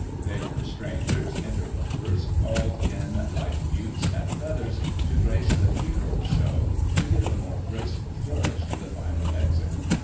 They were strangers, interlopers, called in, like mutes and feathers, to grace the 'funeral show,' to give a more graceful flourish to the final exit.